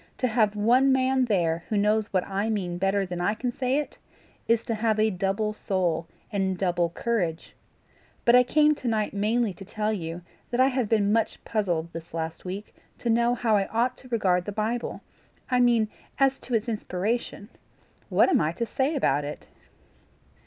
"To have one man there who knows what I mean better than I can say it, is to have a double soul and double courage. But I came to night mainly to tell you that I have been much puzzled this last week to know how I ought to regard the Bible I mean as to its inspiration. What am I to say about it?"